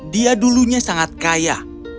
dia dulunya sangat kaya